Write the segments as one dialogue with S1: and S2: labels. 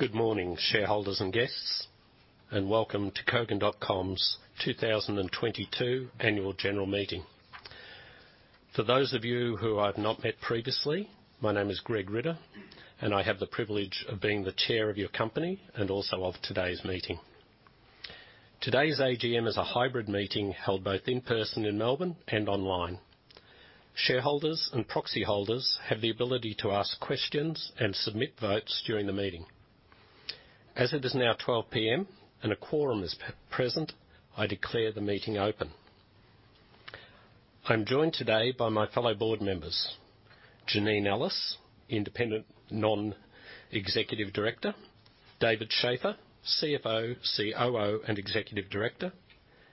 S1: Good morning, shareholders and guests, welcome to Kogan.com's 2022 Annual General Meeting. For those of you who I've not met previously, my name is Greg Ridder, I have the privilege of being the Chair of your company and also of today's meeting. Today's AGM is a hybrid meeting held both in-person in Melbourne and online. Shareholders and proxy holders have the ability to ask questions and submit votes during the meeting. As it is now 12:00 P.M. and a quorum is pre-present, I declare the meeting open. I'm joined today by my fellow board members, Janine Allis, Independent Non-Executive Director. David Shafer, CFO, COO, and Executive Director.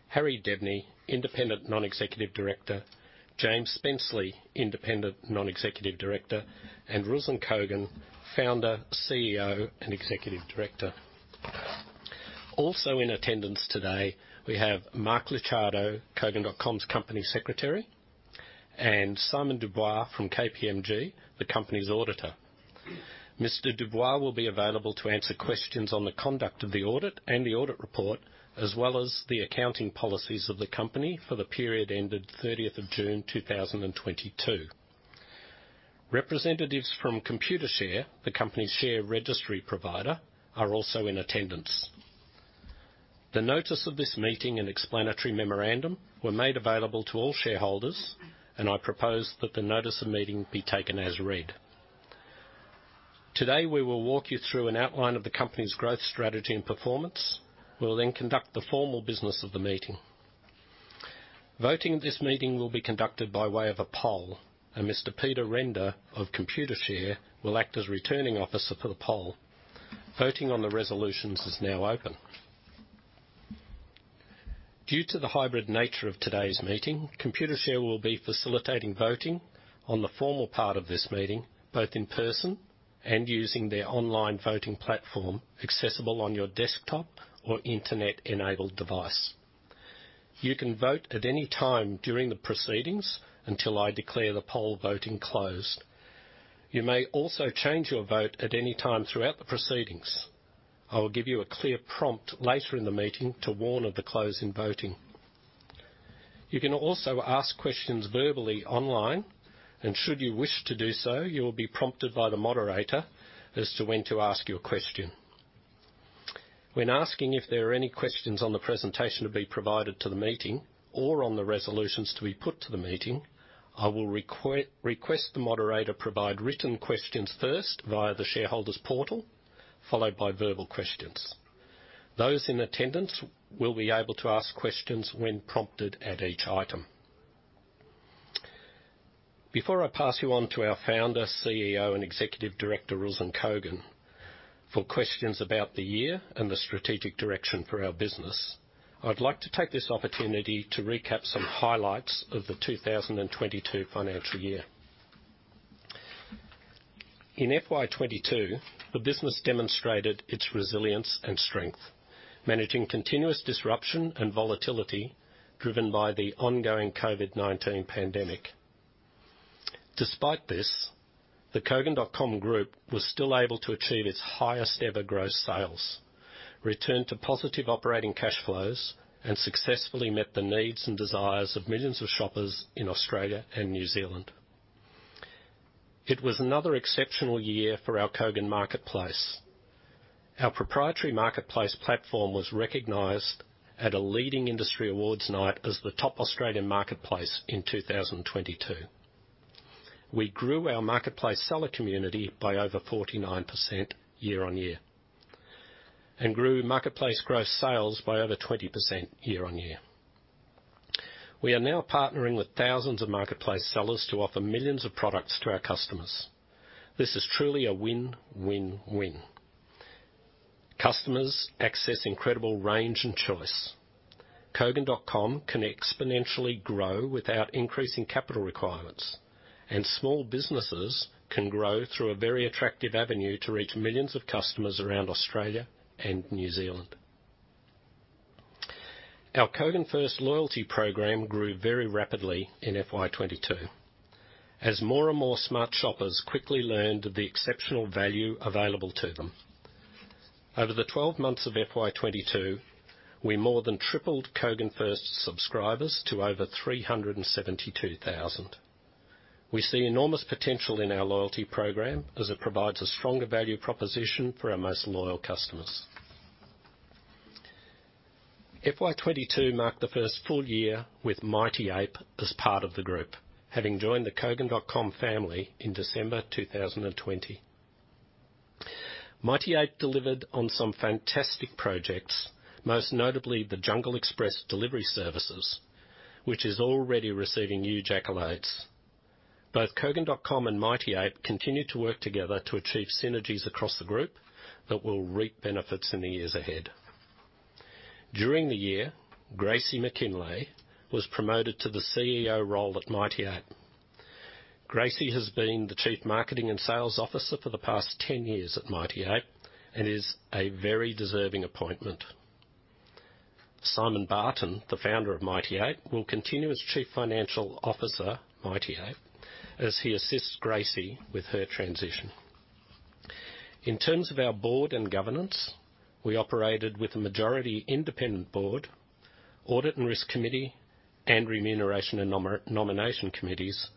S1: Harry Debney, Independent Non-Executive Director. James Spenceley, Independent Non-Executive Director. Ruslan Kogan, Founder, CEO, and Executive Director. Also in attendance today, we have Mark Licciardo, Kogan.com's Company Secretary, and Simon Dubois from KPMG, the company's auditor. Mr. Dubois will be available to answer questions on the conduct of the audit and the audit report, as well as the accounting policies of the company for the period ended 30th of June 2022. Representatives from Computershare, the company's share registry provider, are also in attendance. The notice of this meeting and explanatory memorandum were made available to all shareholders. I propose that the Notice of Meeting be taken as read. Today, we will walk you through an outline of the company's growth, strategy, and performance. We will then conduct the formal business of the meeting. Voting at this meeting will be conducted by way of a poll. Mr. Peter Renda of Computershare will act as Returning Officer for the poll. Voting on the resolutions is now open. Due to the hybrid nature of today's meeting, Computershare will be facilitating voting on the formal part of this meeting, both in person and using their online voting platform, accessible on your desktop or internet-enabled device. You can vote at any time during the proceedings until I declare the poll voting closed. You may also change your vote at any time throughout the proceedings. I will give you a clear prompt later in the meeting to warn of the close in voting. You can also ask questions verbally, online, and should you wish to do so, you will be prompted by the moderator as to when to ask your question. When asking if there are any questions on the presentation to be provided to the meeting or on the resolutions to be put to the meeting, I will request the moderator provide written questions first via the shareholder's portal, followed by verbal questions. Those in attendance will be able to ask questions when prompted at each item. Before I pass you on to our Founder, CEO, and Executive Director, Ruslan Kogan, for questions about the year and the strategic direction for our business, I'd like to take this opportunity to recap some highlights of the 2022 financial year. In FY 2022, the business demonstrated its resilience and strength, managing continuous disruption and volatility driven by the ongoing COVID-19 pandemic. Despite this, the Kogan.com Group was still able to achieve its highest ever gross sales, return to positive operating cash flows, and successfully met the needs and desires of millions of shoppers in Australia and New Zealand. It was another exceptional year for our Kogan Marketplace. Our proprietary Marketplace platform was recognized at a leading industry awards night as the Top Australian Marketplace in 2022. We grew our Marketplace Seller community by over 49% year-on-year, and grew Marketplace gross sales by over 20% year-on-year. We are now partnering with thousands of Marketplace Sellers to offer millions of products to our customers. This is truly a win, win. Customers access incredible range and choice. Kogan.com can exponentially grow without increasing capital requirements, and small businesses can grow through a very attractive avenue to reach millions of customers around Australia and New Zealand. Our Kogan First Loyalty Program grew very rapidly in FY 2022, as more and more smart shoppers quickly learned the exceptional value available to them. Over the 12 months of FY 2022, we more than tripled Kogan First subscribers to over 372,000. We see enormous potential in our Loyalty Program as it provides a stronger value proposition for our most loyal customers. FY 2022 marked the first full year with Mighty Ape as part of the group, having joined the Kogan.com family in December 2020. Mighty Ape delivered on some fantastic projects, most notably the Jungle Express delivery services, which is already receiving huge accolades. Both Kogan.com and Mighty Ape continued to work together to achieve synergies across the group that will reap benefits in the years ahead. During the year, Gracie MacKinlay was promoted to the CEO role at Mighty Ape. Gracie has been the Chief Marketing and Sales Officer for the past 10 years at Mighty Ape and is a very deserving appointment. Simon Barton, the founder of Mighty Ape, will continue as Chief Financial Officer, Mighty Ape, as he assists Gracie with her transition. In terms of our board and governance, we operated with a majority independent board, Audit and Risk Committee, and Remuneration and Nomination Committees,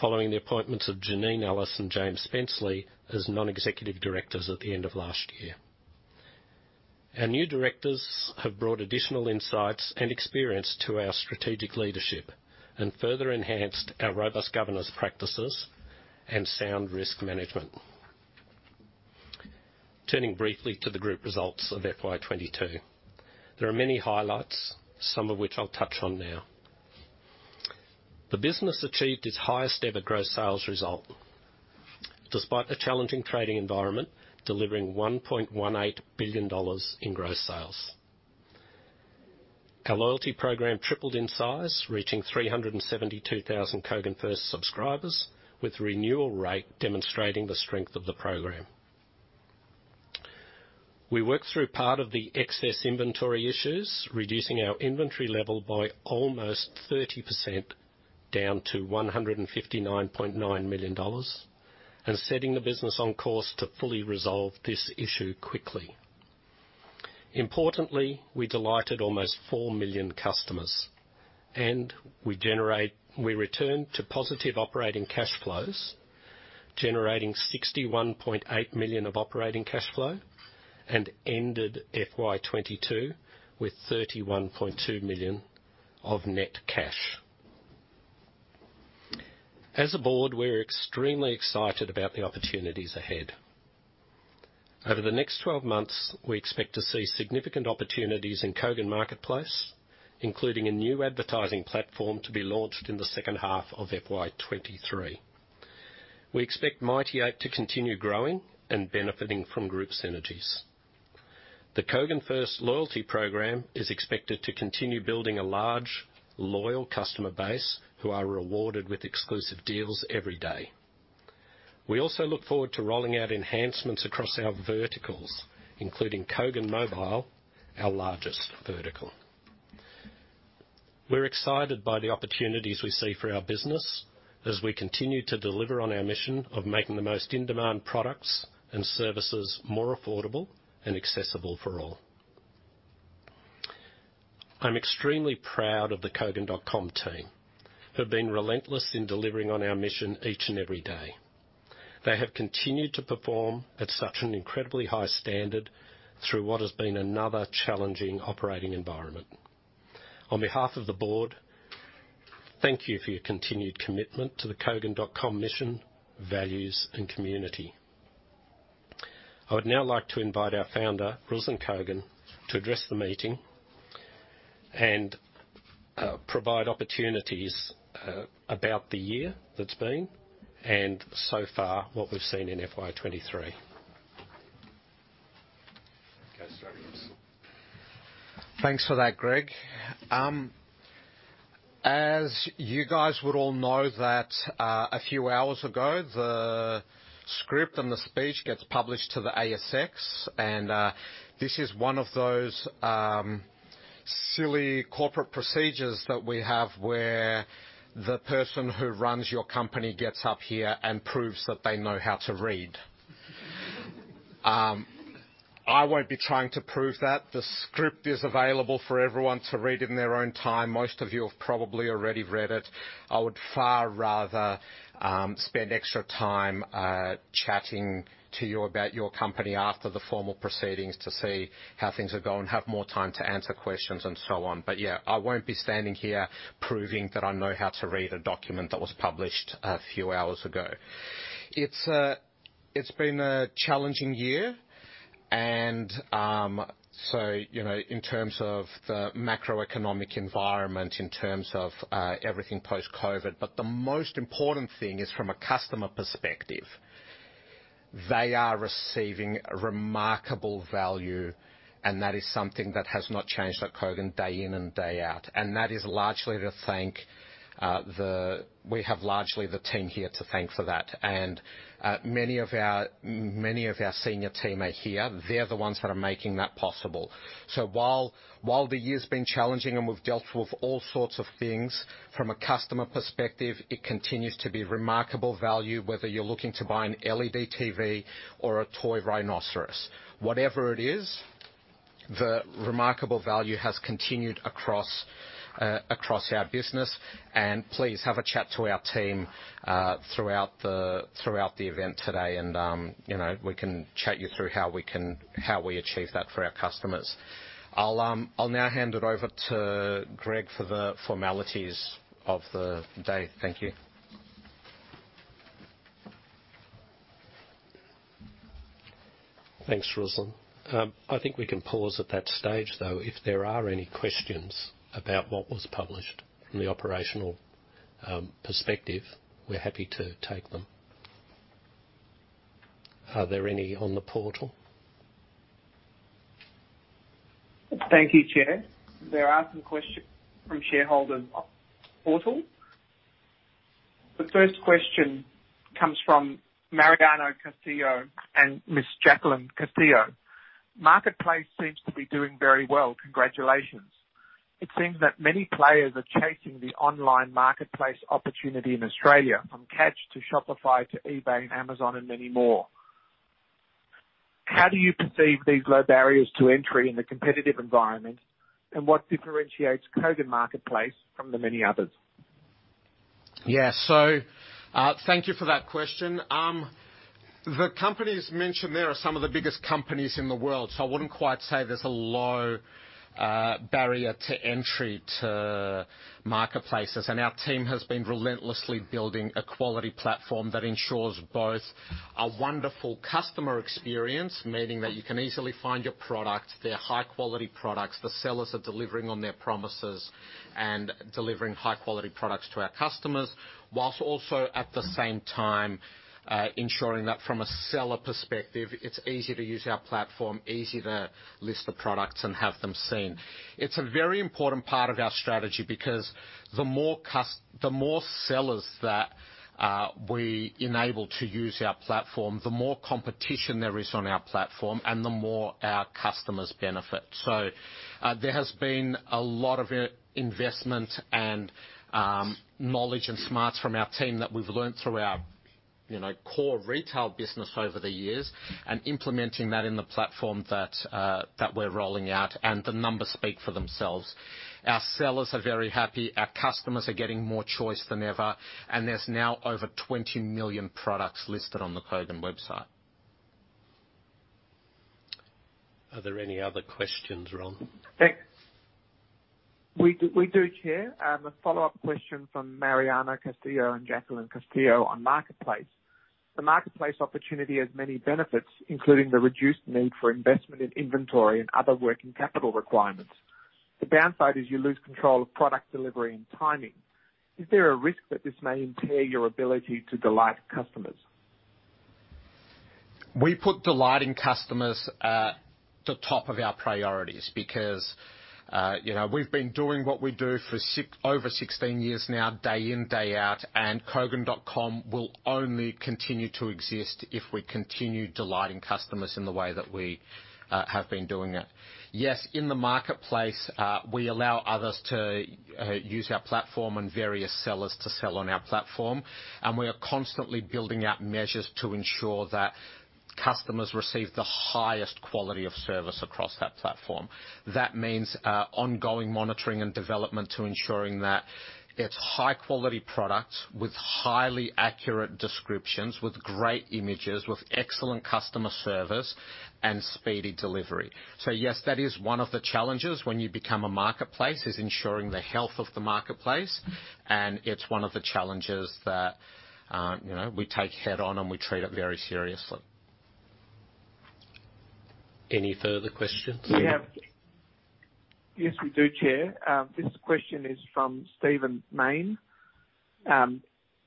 S1: following the appointments of Janine Allis and James Spenceley as non-executive directors at the end of last year. Our new directors have brought additional insights and experience to our strategic leadership and further enhanced our robust governance practices and sound risk management. Turning briefly to the Group results of FY 2022. There are many highlights, some of which I'll touch on now. The business achieved its highest ever gross sales result, despite a challenging trading environment, delivering 1.18 billion dollars in gross sales. Our Loyalty Program tripled in size, reaching 372,000 Kogan First subscribers, with renewal rate demonstrating the strength of the program. We worked through part of the excess inventory issues, reducing our inventory level by almost 30%, down to 159.9 million dollars, and setting the business on course to fully resolve this issue quickly. Importantly, we delighted almost 4 million customers, and we returned to positive operating cash flows, generating 61.8 million of operating cash flow, and ended FY 2022 with 31.2 million of net cash. As a board, we're extremely excited about the opportunities ahead. Over the next 12 months, we expect to see significant opportunities in Kogan Marketplace, including a new advertising platform to be launched in the second half of FY 2023. We expect Mighty Ape to continue growing and benefiting from group synergies. The Kogan First Loyalty Program is expected to continue building a large, loyal customer base who are rewarded with exclusive deals every day. We also look forward to rolling out enhancements across our verticals, including Kogan Mobile, our largest vertical. We're excited by the opportunities we see for our business as we continue to deliver on our mission of making the most in-demand products and services more affordable and accessible for all. I'm extremely proud of the Kogan.com team, who have been relentless in delivering on our mission each and every day. They have continued to perform at such an incredibly high standard through what has been another challenging operating environment. On behalf of the board, thank you for your continued commitment to the Kogan.com mission, values, and community. I would now like to invite our founder, Ruslan Kogan, to address the meeting and provide opportunities about the year that's been and so far, what we've seen in FY 2023. Go straight, Rus.
S2: Thanks for that, Greg. As you guys would all know that, a few hours ago, the script and the speech gets published to the ASX. This is one of those silly corporate procedures that we have where the person who runs your company gets up here and proves that they know how to read. I won't be trying to prove that. The script is available for everyone to read in their own time. Most of you have probably already read it. I would far rather spend extra time chatting to you about your company after the formal proceedings to see how things are going, have more time to answer questions, and so on. Yeah, I won't be standing here proving that I know how to read a document that was published a few hours ago. It's been a challenging year, you know, in terms of the macroeconomic environment, in terms of everything post-COVID, but the most important thing is from a customer perspective, they are receiving remarkable value, and that is something that has not changed at Kogan day in and day out. We have largely the team here to thank for that. Many of our senior team are here. They're the ones that are making that possible. While the year's been challenging and we've dealt with all sorts of things, from a customer perspective, it continues to be remarkable value, whether you're looking to buy an LED TV or a toy rhinoceros. Whatever it is, the remarkable value has continued across our business. Please have a chat to our team, throughout the, throughout the event today, and, you know, we can chat you through how we achieve that for our customers. I'll now hand it over to Greg for the formalities of the day. Thank you.
S1: Thanks, Ruslan. I think we can pause at that stage, though. If there are any questions about what was published from the operational, perspective, we're happy to take them. Are there any on the portal?
S3: Thank you, Chair. There are some questions from shareholders on portal. The first question comes from Mariano Castillo and Ms. Jacqueline Castillo. Marketplace seems to be doing very well. Congratulations. It seems that many players are chasing the online Marketplace opportunity in Australia, from Catch to Shopify to eBay and Amazon and many more. How do you perceive these low barriers to entry in the competitive environment? What differentiates Kogan Marketplace from the many others?
S2: Thank you for that question. The companies mentioned there are some of the biggest companies in the world, so I wouldn't quite say there's a low barrier to entry to Marketplaces. Our team has been relentlessly building a quality platform that ensures both a wonderful customer experience, meaning that you can easily find your product, they're high-quality products, the sellers are delivering on their promises and delivering high-quality products to our customers. Whilst also at the same time, ensuring that from a seller perspective, it's easy to use our platform, easy to list the products and have them seen. It's a very important part of our strategy because the more the more sellers that we enable to use our platform, the more competition there is on our platform and the more our customers benefit. There has been a lot of investment and knowledge and smarts from our team that we've learned through our, you know, core retail business over the years, and implementing that in the platform that we're rolling out. The numbers speak for themselves. Our sellers are very happy. Our customers are getting more choice than ever. There's now over 20 million products listed on the Kogan website.
S1: Are there any other questions, Ronn?
S3: Thanks. We do, Chair. A follow-up question from Mariano Castillo and Jacqueline Castillo on Marketplace. The Marketplace opportunity has many benefits, including the reduced need for investment in inventory and other working capital requirements. The downside is you lose control of product delivery and timing. Is there a risk that this may impair your ability to delight customers?
S2: We put delighting customers at the top of our priorities because, you know, we've been doing what we do for over 16 years now, day in, day out. Kogan.com will only continue to exist if we continue delighting customers in the way that we have been doing it. Yes, in the Marketplace, we allow others to use our platform and various sellers to sell on our platform. We are constantly building out measures to ensure that customers receive the highest quality of service across that platform. That means ongoing monitoring and development to ensuring that it's high-quality products with highly accurate descriptions, with great images, with excellent customer service and speedy delivery. Yes, that is one of the challenges when you become a Marketplace, is ensuring the health of the Marketplace, and it's one of the challenges that, you know, we take head on, and we treat it very seriously.
S1: Any further questions?
S3: We have-
S2: Yes.
S3: Yes, we do, Chair. This question is from Stephen Mayne.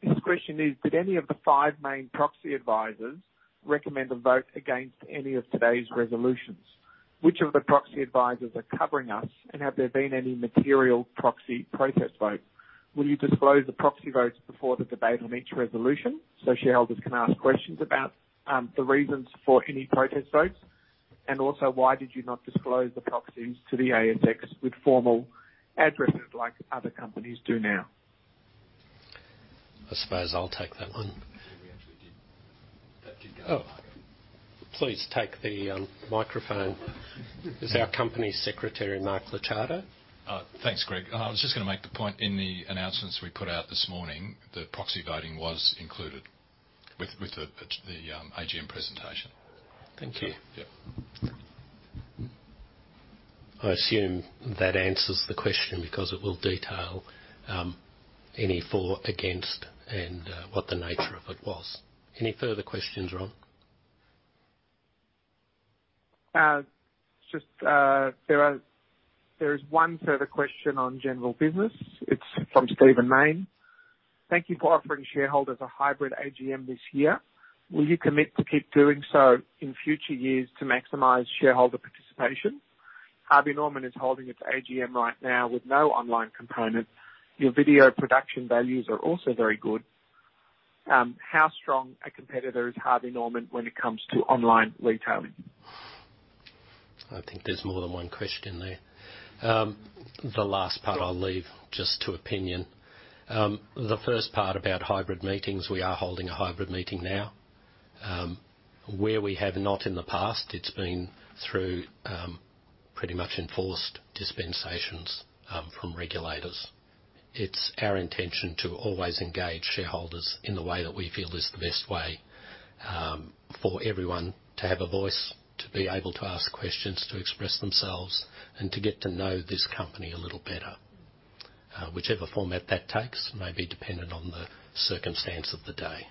S3: His question is: Did any of the five main proxy advisors recommend a vote against any of today's resolutions? Which of the proxy advisors are covering us? Have there been any material proxy protest vote? Will you disclose the proxy votes before the debate on each resolution, so shareholders can ask questions about the reasons for any protest votes? Why did you not disclose the proxies to the ASX with formal addresses like other companies do now?
S1: I suppose I'll take that one.
S4: We actually did. That did go out, Mark. Oh. Please take the microphone. It's our Company Secretary, Mark Licciardo. Thanks, Greg. I was just gonna make the point. In the announcements we put out this morning, the proxy voting was included with the AGM presentation.
S1: Thank you.
S4: Yeah.
S1: I assume that answers the question because it will detail any for/against and what the nature of it was. Any further questions, Ronn?
S3: Just, there is one further question on general business. It's from Stephen Mayne. Thank you for offering shareholders a hybrid AGM this year. Will you commit to keep doing so in future years to maximize shareholder participation? Harvey Norman is holding its AGM right now with no online component. Your video production values are also very good. How strong a competitor is Harvey Norman when it comes to online retailing?
S1: I think there's more than one question there. The last part I'll leave just to opinion. The first part about hybrid meetings, we are holding a hybrid meeting now. Where we have not in the past, it's been through pretty much enforced dispensations from regulators. It's our intention to always engage shareholders in the way that we feel is the best way for everyone to have a voice, to be able to ask questions, to express themselves, and to get to know this company a little better. Whichever format that takes may be dependent on the circumstance of the day.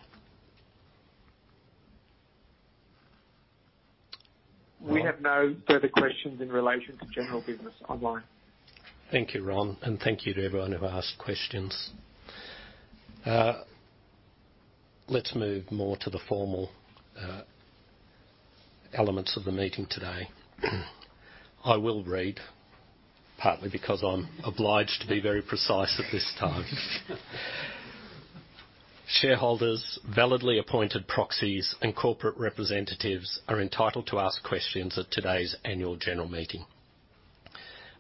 S3: We have no further questions in relation to general business online.
S1: Thank you, Ronn, thank you to everyone who asked questions. Let's move more to the formal elements of the meeting today. I will read, partly because I'm obliged to be very precise at this time. Shareholders, validly appointed proxies, corporate representatives are entitled to ask questions at today's Annual General Meeting.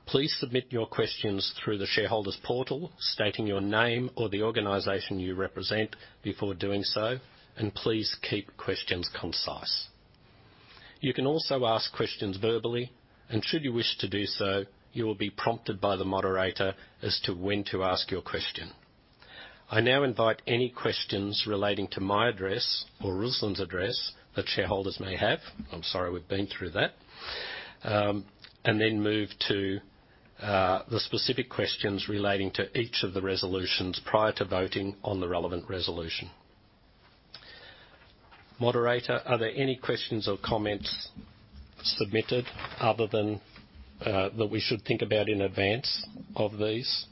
S1: Please submit your questions through the shareholders portal, stating your name or the organization you represent before doing so, please keep questions concise. You can also ask questions verbally, should you wish to do so, you will be prompted by the moderator as to when to ask your question. I now invite any questions relating to my address or Ruslan's address that shareholders may have. I'm sorry, we've been through that. Move to the specific questions relating to each of the resolutions prior to voting on the relevant resolution. Moderator, are there any questions or comments submitted other than that we should think about in advance of these?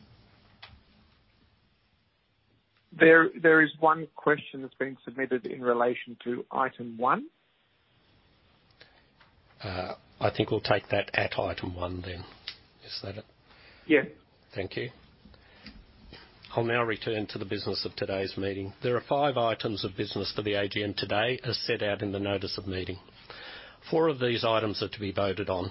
S3: There is one question that's been submitted in relation to Item 1.
S1: I think we'll take that at Item 1 then. Is that it?
S3: Yeah.
S1: Thank you. I'll now return to the business of today's meeting. There are five items of business for the AGM today, as set out in the Notice of Meeting. Four of these items are to be voted on.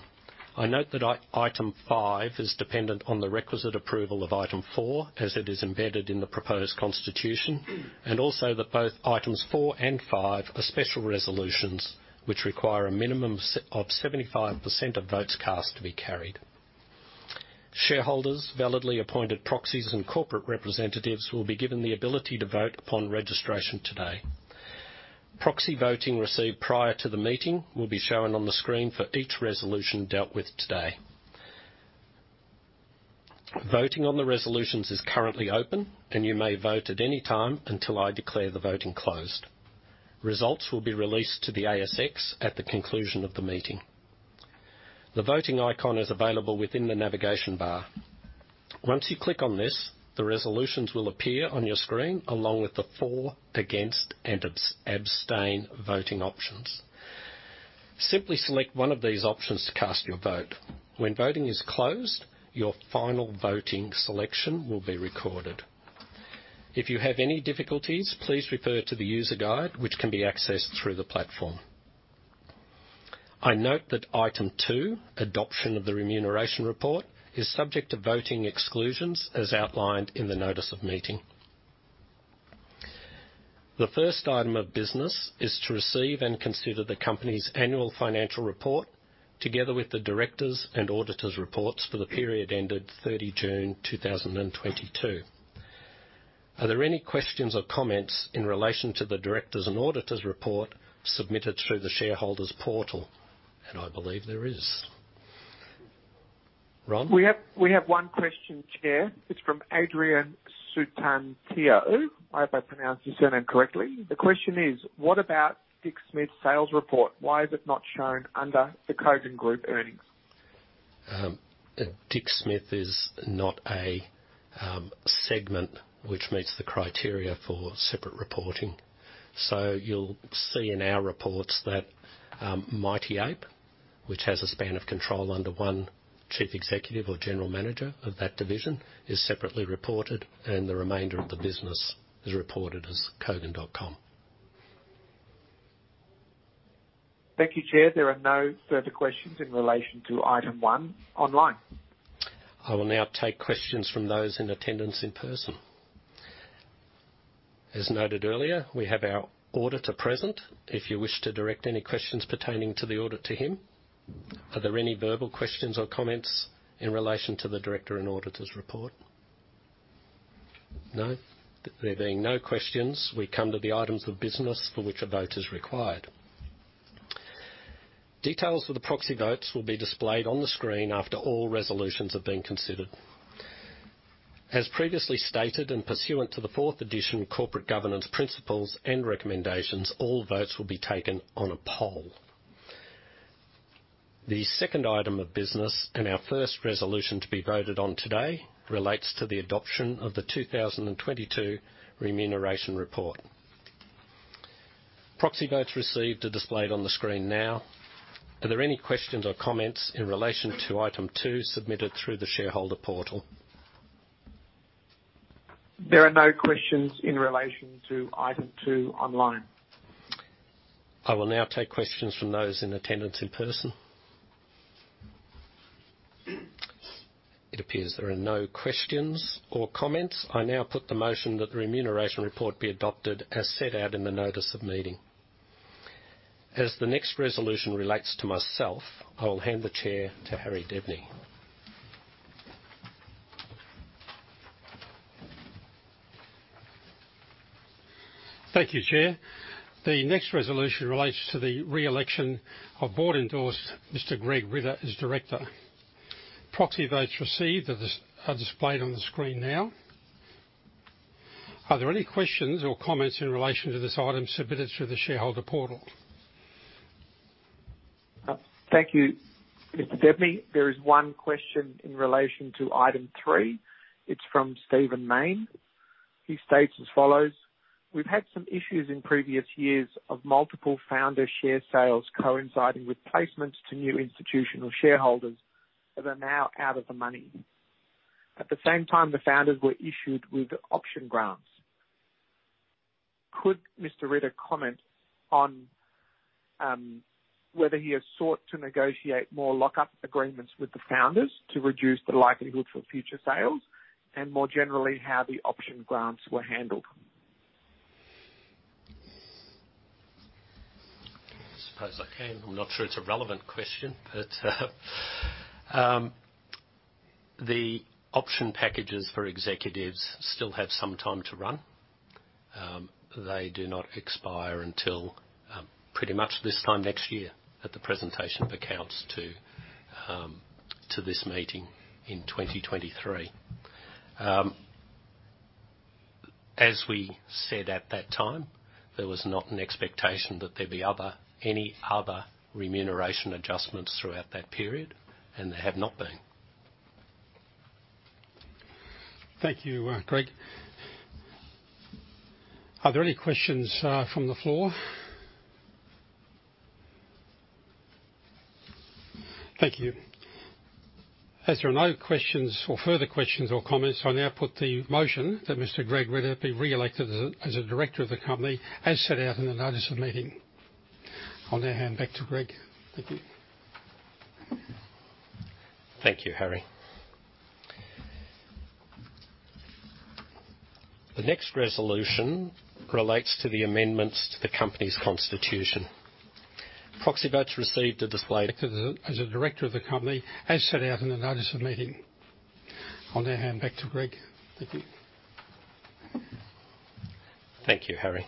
S1: I note that Item 5 is dependent on the requisite approval of Item 4, as it is embedded in the proposed constitution. Also that both Items 4 and 5 are special resolutions which require a minimum of 75% of votes cast to be carried. Shareholders, validly appointed proxies, and corporate representatives will be given the ability to vote upon registration today. Proxy voting received prior to the meeting will be shown on the screen for each resolution dealt with today. Voting on the resolutions is currently open, and you may vote at any time until I declare the voting closed. Results will be released to the ASX at the conclusion of the meeting. The voting icon is available within the navigation bar. Once you click on this, the resolutions will appear on your screen, along with the for, against, and abstain voting options. Simply select one of these options to cast your vote. When voting is closed, your final voting selection will be recorded. If you have any difficulties, please refer to the user guide, which can be accessed through the platform. I note that Item 2, adoption of the remuneration report, is subject to voting exclusions as outlined in the Notice of Meeting. The first item of business is to receive and consider the company's annual financial report, together with the directors' and auditors' reports for the period ended 30 June 2022. Are there any questions or comments in relation to the directors' and auditors' report submitted through the shareholders' portal? I believe there is. Ronn?
S3: We have one question, Chair. It's from Adrian Sutantio, if I pronounced his surname correctly. The question is: What about Dick Smith's sales report? Why is it not shown under the Kogan Group earnings?
S1: Dick Smith is not a segment which meets the criteria for separate reporting. You'll see in our reports that Mighty Ape, which has a span of control under one Chief Executive or General Manager of that division, is separately reported and the remainder of the business is reported as Kogan.com.
S3: Thank you, Chair. There are no further questions in relation to Item 1 online.
S1: I will now take questions from those in attendance in person. As noted earlier, we have our auditor present if you wish to direct any questions pertaining to the audit to him. Are there any verbal questions or comments in relation to the director and auditors' report? No? There being no questions, we come to the items of business for which a vote is required. Details for the proxy votes will be displayed on the screen after all resolutions have been considered. Pursuant to the fourth edition Corporate Governance Principles and Recommendations, all votes will be taken on a poll. The second item of business and our first resolution to be voted on today relates to the adoption of the 2022 Remuneration Report. Proxy votes received are displayed on the screen now. Are there any questions or comments in relation to Item 2 submitted through the shareholder portal?
S3: There are no questions in relation to Item 2 online.
S1: I will now take questions from those in attendance in person. It appears there are no questions or comments. I now put the motion that the remuneration report be adopted as set out in the Notice of Meeting. As the next resolution relates to myself, I will hand the chair to Harry Debney.
S5: Thank you, Chair. The next resolution relates to the re-election of board-endorsed Mr. Greg Ridder as director. Proxy votes received are displayed on the screen now. Are there any questions or comments in relation to this item submitted through the shareholder portal?
S3: Thank you, Mr. Debney. There is one question in relation to Item 3. It's from Stephen Mayne. He states as follows: We've had some issues in previous years of multiple founder share sales coinciding with placements to new institutional shareholders that are now out of the money. At the same time, the founders were issued with option grants. Could Mr. Ridder comment on whether he has sought to negotiate more lock-up agreements with the founders to reduce the likelihood for future sales and more generally, how the option grants were handled?
S1: I suppose I can. I'm not sure it's a relevant question, the option packages for executives still have some time to run. They do not expire until pretty much this time next year at the presentation of accounts to this meeting in 2023. As we said at that time, there was not an expectation that there'd be any other remuneration adjustments throughout that period, and there have not been.
S5: Thank you, Greg. Are there any questions from the floor? Thank you. As there are no questions or further questions or comments, I now put the motion that Mr. Greg Ridder be re-elected as a director of the company, as set out in the Notice of Meeting. I'll now hand back to Greg. Thank you.
S1: Thank you, Harry. The next resolution relates to the amendments to the company's constitution. Proxy votes received are displayed-
S5: As a director of the company, as set out in the Notice of Meeting. I'll now hand back to Greg. Thank you.
S1: Thank you, Harry.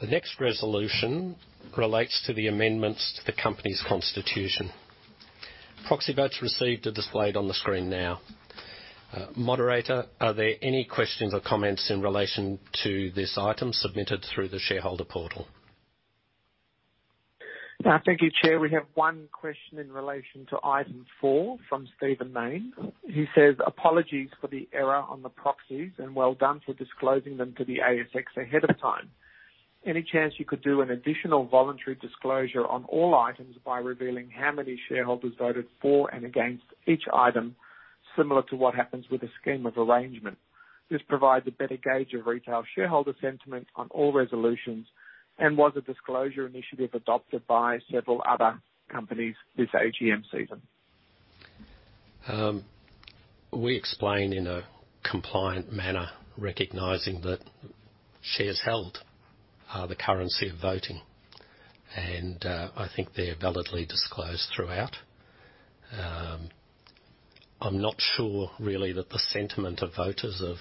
S1: The next resolution relates to the amendments to the company's constitution. Proxy votes received are displayed on the screen now. Moderator, are there any questions or comments in relation to this item submitted through the shareholder portal?
S3: Thank you, Chair. We have one question in relation to Item 4 from Stephen Mayne. He says, "Apologies for the error on the proxies and well done for disclosing them to the ASX ahead of time. Any chance you could do an additional voluntary disclosure on all items by revealing how many shareholders voted for and against each item, similar to what happens with a scheme of arrangement? This provides a better gauge of retail shareholder sentiment on all resolutions, and was a disclosure initiative adopted by several other companies this AGM season.
S1: We explain in a compliant manner, recognizing that shares held are the currency of voting, and I think they're validly disclosed throughout. I'm not sure really that the sentiment of voters of,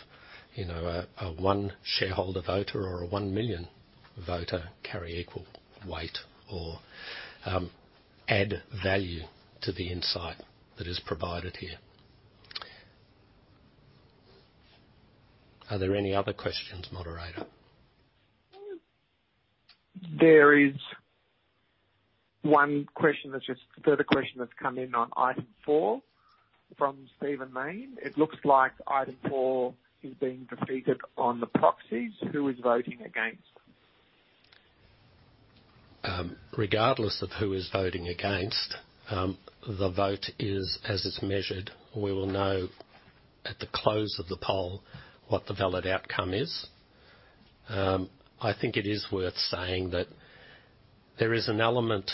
S1: you know, a one shareholder voter or a 1 million voter carry equal weight or add value to the insight that is provided here. Are there any other questions, Moderator?
S3: There is one further question that's come in on Item 4 from Stephen Mayne. "It looks like Item 4 is being defeated on the proxies. Who is voting against?
S1: Regardless of who is voting against, the vote is as it's measured. We will know at the close of the poll what the valid outcome is. I think it is worth saying that there is an element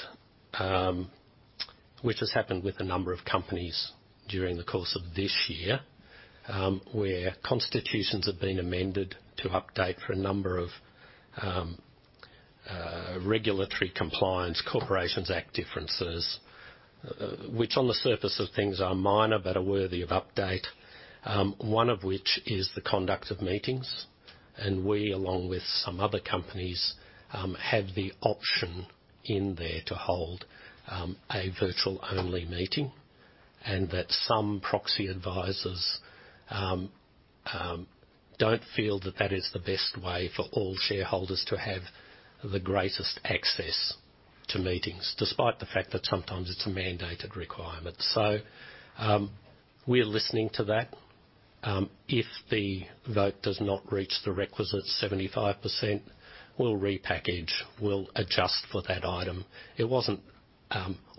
S1: which has happened with a number of companies during the course of this year, where constitutions have been amended to update for a number of regulatory compliance Corporations Act differences, which on the surface of things are minor but are worthy of update. One of which is the conduct of meetings. We, along with some other companies, have the option in there to hold a virtual only meeting, and that some proxy advisors don't feel that that is the best way for all shareholders to have the greatest access to meetings, despite the fact that sometimes it's a mandated requirement. We're listening to that. If the vote does not reach the requisite 75%, we'll repackage, we'll adjust for that item. It wasn't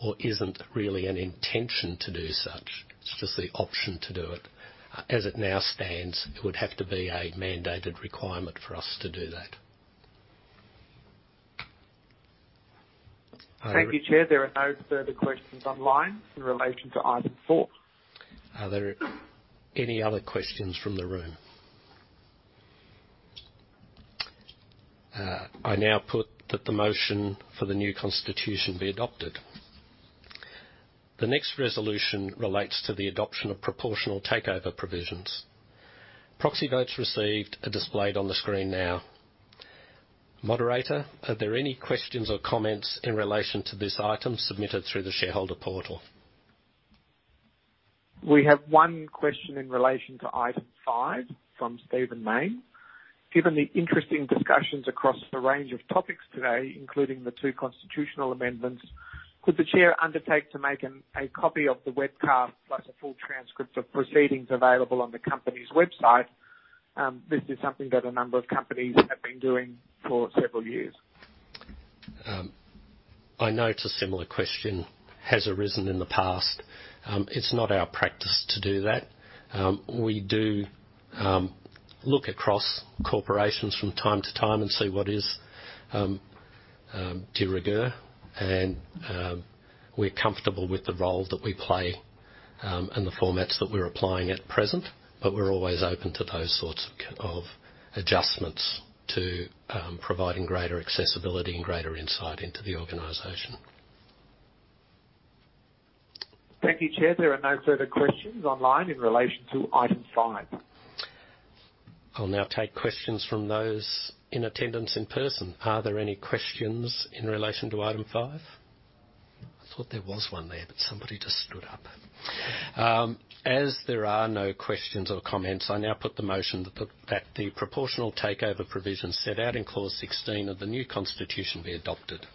S1: or isn't really an intention to do such. It's just the option to do it. As it now stands, it would have to be a mandated requirement for us to do that.
S3: Thank you, Chair. There are no further questions online in relation to Item 4.
S1: Are there any other questions from the room? I now put that the motion for the new Constitution be adopted. The next resolution relates to the adoption of proportional takeover provisions. Proxy votes received are displayed on the screen now. Moderator, are there any questions or comments in relation to this item submitted through the shareholder portal?
S3: We have one question in relation to Item 5 from Stephen Mayne. Given the interesting discussions across the range of topics today, including the two constitutional amendments, could the Chair undertake to make a copy of the webcast, plus a full transcript of proceedings available on the company's website? This is something that a number of companies have been doing for several years.
S1: I know it's a similar question has arisen in the past. It's not our practice to do that. We do look across corporations from time to time and see what is de rigueur, and we're comfortable with the role that we play and the formats that we're applying at present, but we're always open to those sorts of adjustments to providing greater accessibility and greater insight into the organization.
S3: Thank you, Chair. There are no further questions online in relation to Item 5.
S1: I'll now take questions from those in attendance in person. Are there any questions in relation to item 5? I thought there was one there, but somebody just stood up. As there are no questions or comments, I now put the motion that the proportional takeover provisions set out in clause 16 of the new constitution be adopted.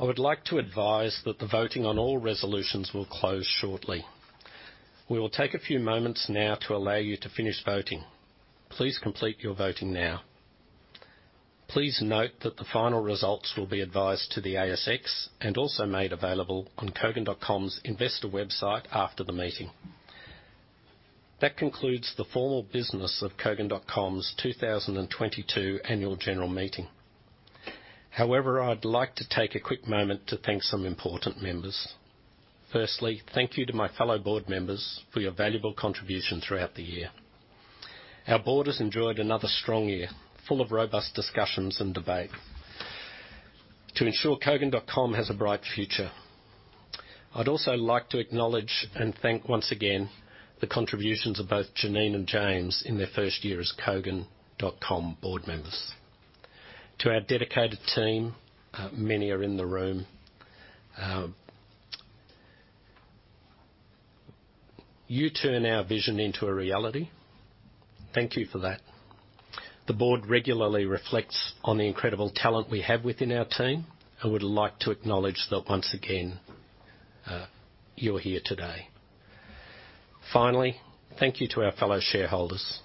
S1: I would like to advise that the voting on all resolutions will close shortly. We will take a few moments now to allow you to finish voting. Please complete your voting now. Please note that the final results will be advised to the ASX and also made available on Kogan.com's investor website after the meeting. That concludes the formal business of Kogan.com's 2022 Annual General Meeting. However, I'd like to take a quick moment to thank some important members. Firstly, thank you to my fellow board members for your valuable contribution throughout the year. Our board has enjoyed another strong year, full of robust discussions and debate to ensure Kogan.com has a bright future. I'd also like to acknowledge and thank once again the contributions of both Janine and James in their first year as Kogan.com board members. To our dedicated team, many are in the room, you turn our vision into a reality. Thank you for that. The board regularly reflects on the incredible talent we have within our team and would like to acknowledge that once again, you're here today. Finally, thank you to our fellow shareholders.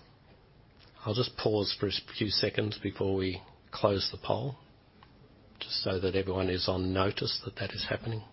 S1: I'll just pause for a few seconds before we close the poll, just so that everyone is on notice that that is happening.